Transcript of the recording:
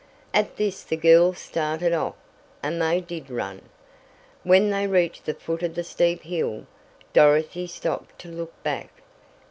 At this the girls started off; and they did run! When they reached the foot of the steep hill, Dorothy stopped to look back.